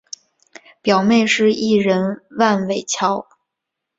表妹是艺人万玮乔。